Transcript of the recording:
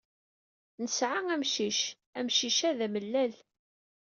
Hesɛa amcic. Amcic-a d amellal.